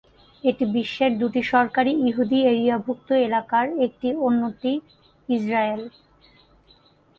এটি বিশ্বের দুটি সরকারী ইহুদি এক্তিয়ারভুক্ত এলাকার একটি, অন্যটি ইসরায়েল।